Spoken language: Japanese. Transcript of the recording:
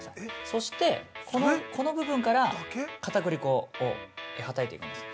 そして、この部分からかたくり粉をはたいていくんです。